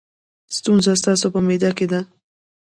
ستونزه ستاسو په معده کې ده.